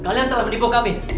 kalian telah menipu kami